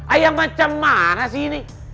ayah macam mana sih ini